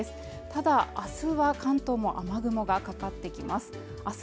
ただあすは関東も雨雲がかかってきます